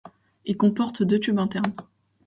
Il comporte deux tubes internes.